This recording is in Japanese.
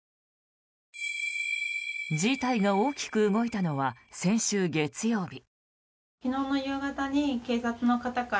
事態が大きく動いたのは先週月曜日。